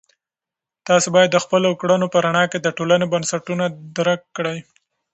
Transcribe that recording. تاسې باید د خپلو کړنو په رڼا کې د ټولنې بنسټونه درک کړئ.